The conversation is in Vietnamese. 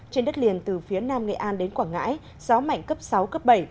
trên đất liền từ phía nam nghệ an đến quảng ngãi gió mạnh cấp sáu cấp bảy